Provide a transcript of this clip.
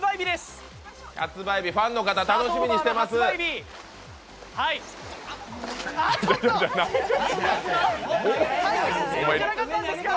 発売日、ファンの方楽しみにしてるから。